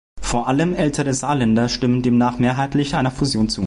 Vor allem ältere Saarländer stimmen demnach mehrheitlich einer Fusion zu.